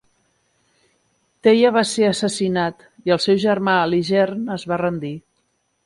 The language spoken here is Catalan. Teia va ser assassinat i el seu germà Aligern es va rendir.